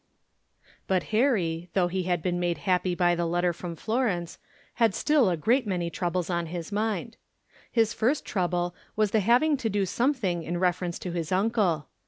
But Harry, though he had been made happy by the letter from Florence, had still a great many troubles on his mind. His first trouble was the having to do something in reference to his uncle.